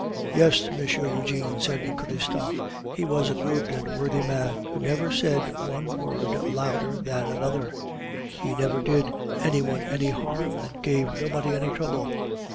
"Yes, Monsieur Eugene," said Christophe, "he was a good and worthy man, who never said one word louder than another; he never did any one any harm, and gave nobody any trouble."